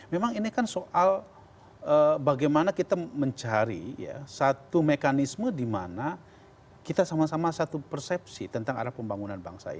memang ini kan soal bagaimana kita mencari satu mekanisme di mana kita sama sama satu persepsi tentang arah pembangunan bangsa ini